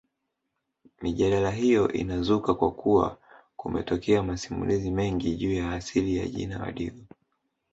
Mijadala hiyo inazuka kwa kuwa kumetokea masimulizi mengi juu ya asili ya jina Wadigo